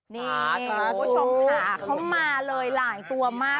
มีคุณผู้ชมหาเขามาหลายตัวมาก